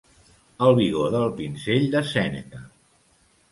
El vigor del pinzell de Sèneca.